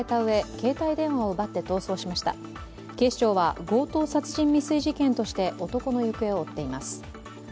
警視庁は強盗殺人未遂事件として男の行方を追っています。